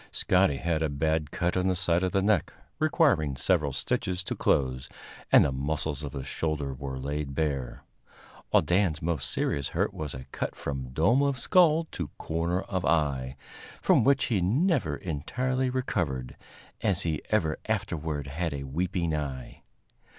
Scotty had a bad cut on the side of the neck, requiring several stitches to close, and the muscles of his shoulder were laid bare; while Dan's most serious hurt was a cut from dome of skull to corner of eye, from which he never entirely recovered, as he ever afterward had a weeping eye.